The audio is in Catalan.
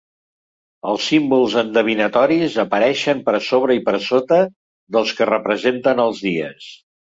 Els símbols endevinatoris apareixen per sobre i per sota dels que representen els dies.